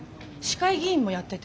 市会議員もやってて。